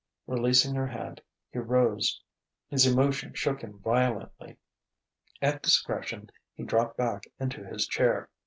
Releasing her hand, he rose. His emotion shook him violently. At discretion, he dropped back into his chair.